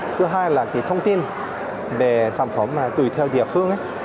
thứ hai là thông tin về sản phẩm tùy theo địa phương